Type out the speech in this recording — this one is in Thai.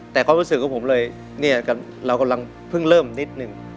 แต่ความรู้สึกของผมเลยเนี่ยเรากำลังเพิ่งเริ่มนิดนึง